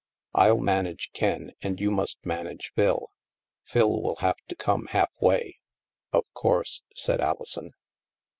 I'll manage Ken, and you must manage Phil. Phil will have to come half way." THE MAELSTROM 225 tt Of course," said Alison.